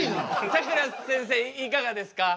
さくらせんせいいかがですか？